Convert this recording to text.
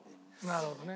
なるほどね。